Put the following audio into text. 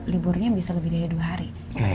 liburnya bisa lebih dari dua hari